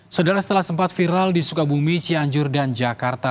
saudara setelah sempat viral di sukabumi cianjur dan jakarta